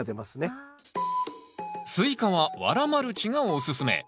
スイカはワラマルチがおすすめ。